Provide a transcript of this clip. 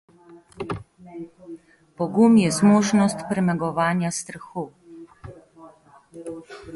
Pogum je zmožnost premagovanja strahu.